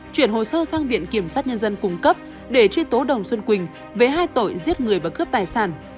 chuyển hồ sơ sang viện kiểm sát nhân dân cung cấp để truy tố đồng xuân quỳnh về hai tội giết người và cướp tài sản